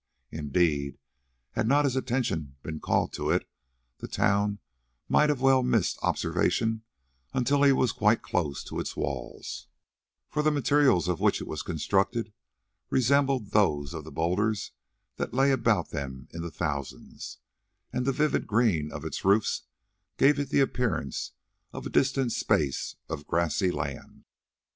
Indeed, had not his attention been called to it, the town might well have missed observation until he was quite close to its walls, for the materials of which it was constructed resembled those of the boulders that lay about them in thousands, and the vivid green of its roofs gave it the appearance of a distant space of grassy land.